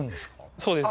そうです。